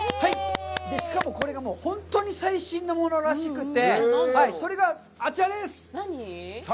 しかも、これが本当に最新のものらしくて、それが、あちらです！